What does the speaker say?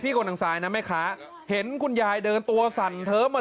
คนทางซ้ายนะแม่ค้าเห็นคุณยายเดินตัวสั่นเทิมอ่ะ